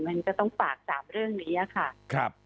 มันก็ต้องฝาก๓เรื่องนี้ค่ะ